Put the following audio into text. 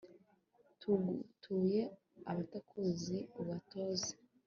tugutuye abatakuzi, ubatoze